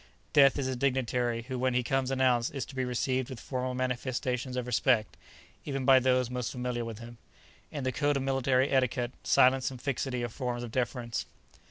Death is a dignitary who when he comes announced is to be received with formal manifestations of respect, even by those most familiar with him. In the code of military etiquette silence and fixity are forms of deference.